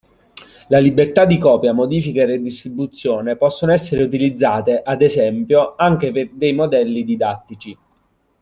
La libertà di copia, modifica e ridistribuzione possono essere utilizzate, ad esempio, anche per dei modelli didattici.